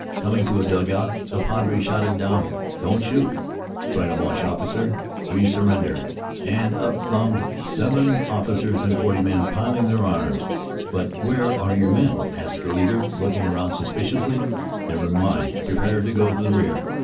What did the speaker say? Coming to a dug out, the Padre shouted down. "Don t shoot," cried a Boche officer; "we sur render." And up tumbled seven officers and 40 men, piling their arms. "But where are your men?" asked the leader, looking round suspiciously. "Never mind; prepare to go to the rear."